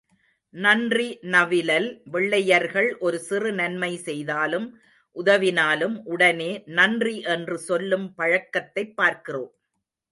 நன்றி நவிலல் வெள்ளையர்கள் ஒரு சிறு நன்மை செய்தாலும் உதவினாலும் உடனே நன்றி என்று சொல்லும் பழக்கத்தைப் பார்க்கிறோம்.